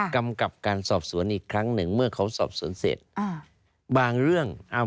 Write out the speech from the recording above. กำกรับการสอบสวนอีกครั้งหนึ่ง